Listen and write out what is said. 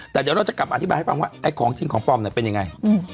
แต่เดี๋ยวเราจะกลับอธิบายให้ฟังว่าไอ้ของจริงของปลอมเนี่ยเป็นยังไง